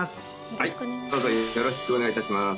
はいどうぞよろしくお願いいたします